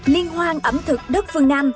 liên hoan ẩm thực đất phương nam